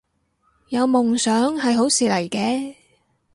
有夢想係好事嚟嘅